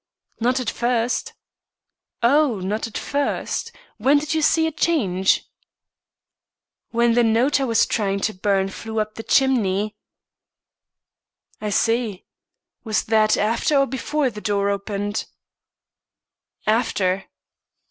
"Not at first." "Oh not at first. When did you see a change?" "When the note I was trying to burn flew up the chimney." "I see. Was that after or before the door opened?" "After."